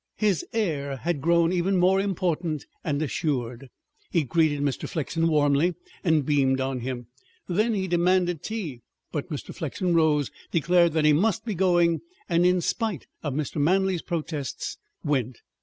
His air had grown even more important and assured. He greeted Mr. Flexen warmly and beamed on him. Then he demanded tea. But Mr. Flexen rose, declared that he must be going, and in spite of Mr. Manley's protests went.